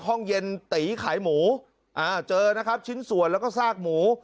ห้องเย็นตีขายหมูอ่าเจอนะครับชิ้นส่วนแล้วก็ซากหมู